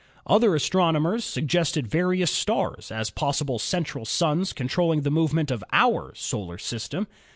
Other astronomers suggested various stars as possible central suns controlling the movement of our Solar System.